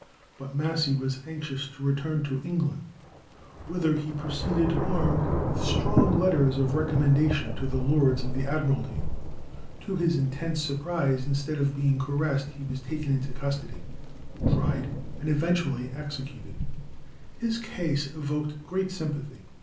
But Massey was anxious to return to England, whither he proceeded armed with strong letters of recommendation to the lords of the Admiralty. To his intense surprise, "instead of being caressed he was taken into custody," tried, and eventually executed. His case evoked great sympathy.